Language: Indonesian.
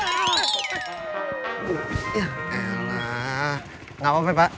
alah nggak apa apa pak